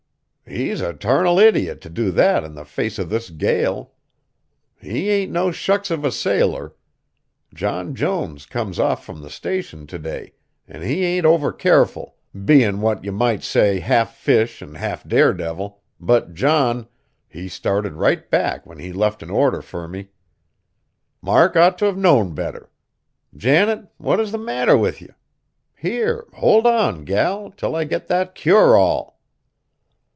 "He's a tarnal idiot t' do that in the face of this gale. He ain't no shucks of a sailor. John Jones come off frum the Station t' day, an' he ain't over careful, bein' what ye might say half fish an' half dare devil, but John, he started right back when he left an order fur me. Mark ought t' have knowed better. Janet, what is the matter with ye? Here hold on, gal, till I get that Cure All!"